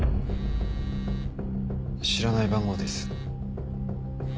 知らない番号です。